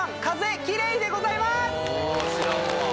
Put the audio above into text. あ知らんわ。